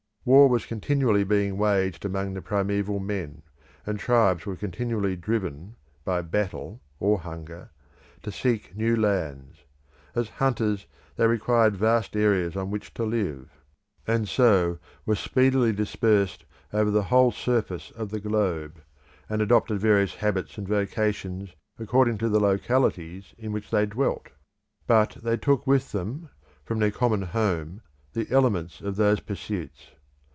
War was continually being waged among the primeval men, and tribes were continually driven, by battle or hunger, to seek new lands. As hunters they required vast areas on which to live, and so were speedily dispersed over the whole surface of the globe, and adopted various habits and vocations according to the localities in which they dwelt. But they took with them, from their common home, the elements of those pursuits.